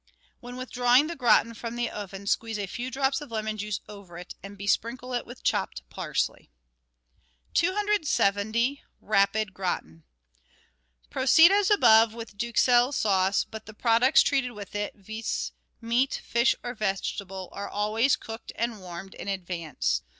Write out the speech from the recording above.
When withdrawing the gratin from the oven squeeze a few drops of lemon juice over it, and besprinkle it with chopped parsley. 270— RAPID QRATIN Proceed as above, with duxelle sauce, but the products treated with it, viz., meats, fish, or vegetables, are always cooked and warmed in advance.